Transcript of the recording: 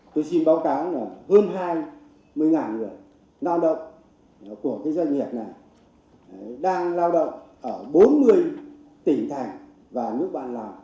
tôi xin báo cáo là hơn hai mươi ngàn người lao động của cái doanh nghiệp này đang lao động ở bốn mươi tỉnh thành và nước bạn là anh em